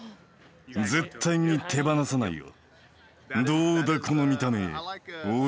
絶対に手放さないよ。